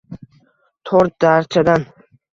Tor darchadan…